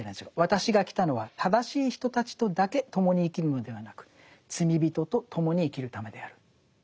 「私が来たのは正しい人たちとだけ共に生きるのではなく罪人と共に生きるためである」。